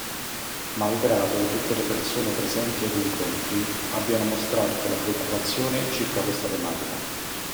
Mal grado tutte le persone presenti ai due incontri abbiano mostrato della preoccupazione circa questa tematica.